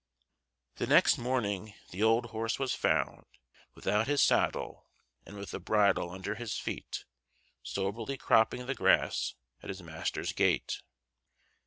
The next morning the old horse was found, without his saddle and with the bridle under his feet, soberly cropping the grass at his master's gate.